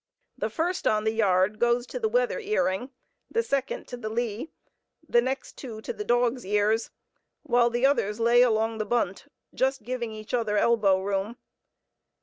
The first on the yard goes to the weather earing, the second to the lee, and the next two to the dog's ears, while the others lay along the bunt, just giving each other elbow room.